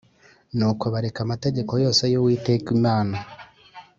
Nuko bareka amategeko yose y Uwiteka Imana